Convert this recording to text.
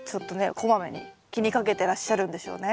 こまめに気にかけてらっしゃるんでしょうね。